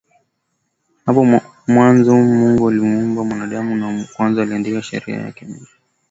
Hapo Mwanzo Mungu alipomuumba Mwanadamu wa kwanza Aliandika sheria yake Mioyoni mwao